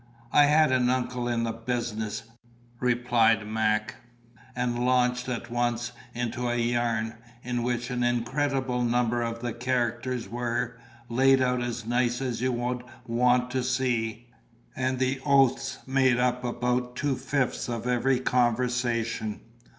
"I had an uncle in the business," replied Mac, and launched at once into a yarn, in which an incredible number of the characters were "laid out as nice as you would want to see," and the oaths made up about two fifths of every conversation.